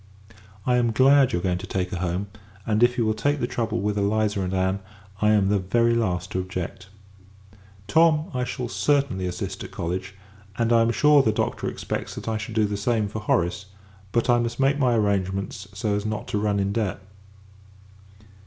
I am glad you are going to take her home; and, if you will take the trouble with Eliza and Ann, I am the very last to object. Tom, I shall certainly assist at college; and, I am sure, the Doctor expects that I should do the same for Horace: but I must make my arrangements, so as not to run in debt.